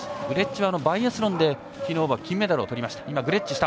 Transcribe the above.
グレッチはバイアスロンで昨日は金メダルをとりました。